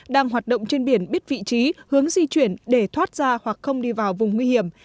đang hoạt động trên biển biết vị trí hướng di chuyển để thoát ra hoặc không đi vào vùng nguy hiểm